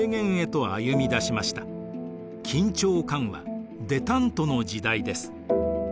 緊張緩和デタントの時代です。